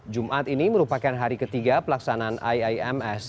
jumat ini merupakan hari ketiga pelaksanaan iims